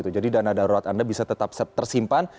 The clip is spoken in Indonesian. jadi dana darurat anda bisa tetap tersimpan